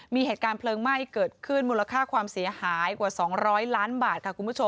มีเหตุการณ์เพลิงไหม้เกิดขึ้นมูลค่าความเสียหายกว่า๒๐๐ล้านบาทค่ะคุณผู้ชม